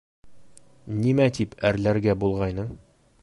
Нимә тип әрләргә булғайның?